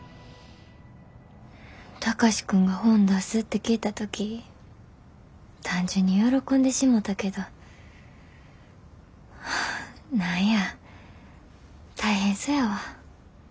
貴司君が本出すって聞いた時単純に喜んでしもたけどはあ何や大変そやわ。